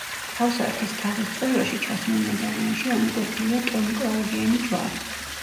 თავსართის თაღის წვეროში ჩასმულ მედალიონში ამოკვეთილია ტოლმკლავებიანი ჯვარი.